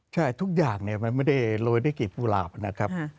ใช่ทุกอย่างมันไม่ได้โรยด้วยกีบกุหลาบนะครับ